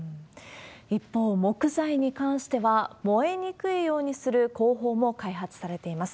一方、木材に関しては、燃えにくいようにする工法も開発されています。